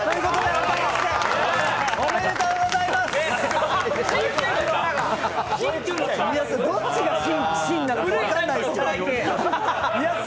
おめでとうございます。